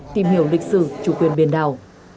tìm hiểu lịch sử chủ quyền biển đảo